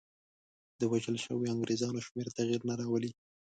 د وژل شویو انګرېزانو شمېر تغییر نه راولي.